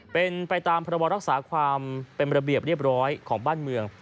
เป็นไปตามพรบรักษาความเป็นระเบียบเรียบร้อยของบ้านเมือง